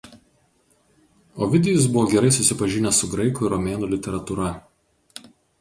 Ovidijus buvo gerai susipažinęs su graikų ir romėnų literatūra.